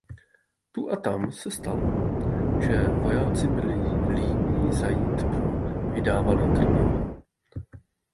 Tu a tam se stalo, že vojáci byli líní zajít pro vydávané krmivo.